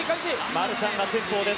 マルシャンが先行です。